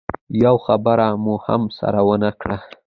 يوه خبره مو هم سره ونه کړه.